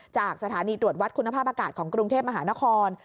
จากสถานีตรวจวัดคุณภาพอากาศของกรุงเทพมหานคร